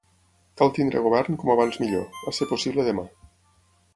Cal tenir govern com abans millor, a ser possible demà.